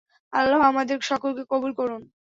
আল্লাহ আমাদের সকলকে কবুল করুন।